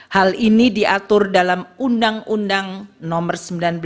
hal ini diatur dalam undang undang nomor sembilan belas dua ribu dua puluh tiga